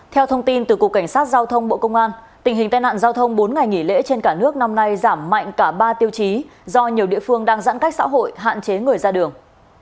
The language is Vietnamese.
theo thông tin từ cục cảnh sát giao thông bộ công an tình hình tai nạn giao thông bốn ngày nghỉ lễ trên cả nước năm nay giảm mạnh cả ba tiêu chí do nhiều địa phương đang giãn cách xã hội hạn chế người ra đường